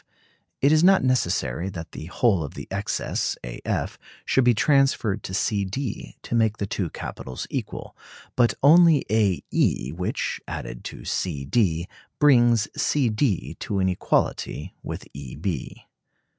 It is not necessary that the whole of the excess, A F should be transferred to C D to make the two capitals equal, but only A E, which, added to C D, brings C D to an equality with E B.